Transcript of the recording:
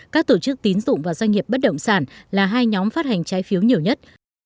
các tổ chức tín dụng và doanh nghiệp bất động sản là hai nhóm phát hành trái phiếu nhiều nhất